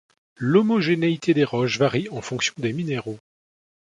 L'homogénéité des roches varie en fonction des minéraux.